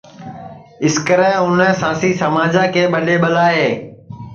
سکرے اُنیں سانسی سماجا کے ٻڈؔے ٻلائے